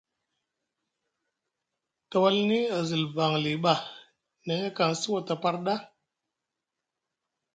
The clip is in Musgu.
Tawalni a zilbanli ɓa neŋ a kansi wata par ɗa.